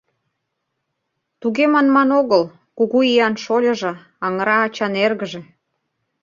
Туге манман огыл — Кугу иян шольыжо, аҥыра ачан эргыже!